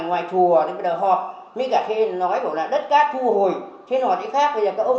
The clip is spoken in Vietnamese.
ngoài chùa thì bây giờ họ mới cả thế nói bảo là đất cát thu hồi trên họ thì khác bây giờ các ông